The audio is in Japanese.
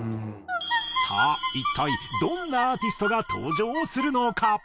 さあ一体どんなアーティストが登場するのか。